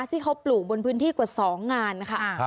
ที่เขาปลูกบนพื้นที่กว่า๒งานค่ะ